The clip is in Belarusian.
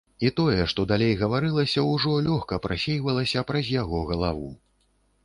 І тое, што далей гаварылася, ужо лёгка прасейвалася праз яго галаву.